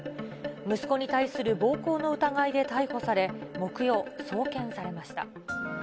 息子に対する暴行の疑いで逮捕され、木曜、送検されました。